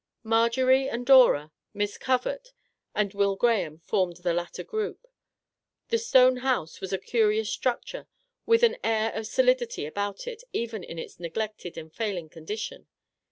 Marjorie and Dora, Miss Covert, and Will Graham formed the latter group. The stone house was a curious structure, with an air of solidity about it even in its neglected and fail ing condition.